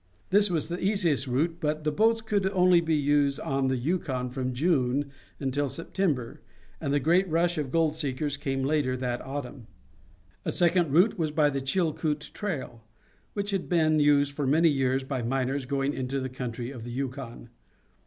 This was the easiest route, but the boats could only be used on the Yukon from June until September, and the great rush of gold seekers came later that autumn. A second route was by the Chilkoot trail, which had been used for many years by miners going into the country of the Yukon.